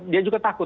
dia juga takut